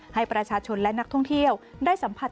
ให้ประชาชนและนักท่องเที่ยวได้สัมผัส